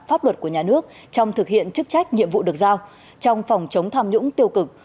pháp luật của nhà nước trong thực hiện chức trách nhiệm vụ được giao trong phòng chống tham nhũng tiêu cực